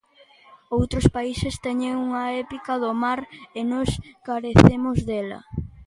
Outros países teñen unha épica do mar e nós carecemos dela.